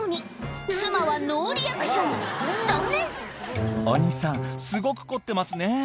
残念「お兄さんすごく凝ってますね」